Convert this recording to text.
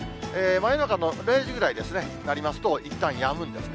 真夜中の０時ぐらいですね、になりますと、いったんやむんですね。